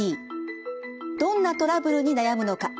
どんなトラブルに悩むのか。